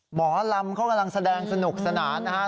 หมอลำเขากำลังแสดงสนุกสนานนะฮะ